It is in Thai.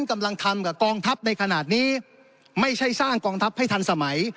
กำลังทำกับกองทัพในขณะนี้ไม่ใช่สร้างกองทัพให้ทันสมัย